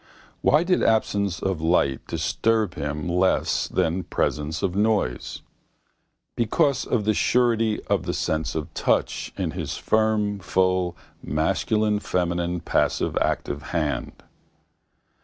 Why did absence of light disturb him less than presence of noise? Because of the surety of the sense of touch in his firm full masculine feminine passive active hand.